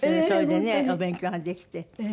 それでねお勉強ができて。